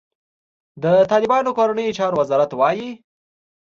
د طالبانو کورنیو چارو وزارت وايي،